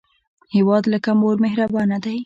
هیواد لکه مور مهربانه دی